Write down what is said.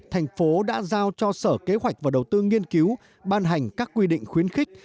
thành phố đã giao cho sở kế hoạch và đầu tư nghiên cứu ban hành các quy định khuyến khích